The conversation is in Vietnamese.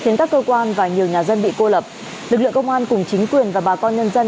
nhà dân bị cô lập lực lượng công an cùng chính quyền và bà con nhân dân